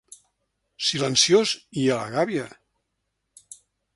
Silenciós i a la gàbia.